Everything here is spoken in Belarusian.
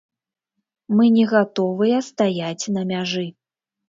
Мы не гатовыя стаяць на мяжы.